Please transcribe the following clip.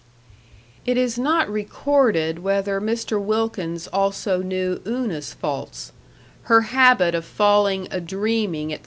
It is not recorded whether Mr. Wilkins also knew Una's faults her habit of falling a dreaming at 3.